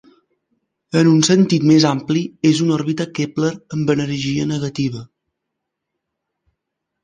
En un sentit més ampli, és una òrbita Kepler amb energia negativa.